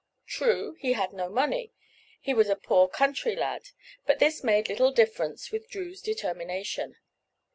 True, he had no money, he was a poor country lad, but this made little difference with Drew's determination.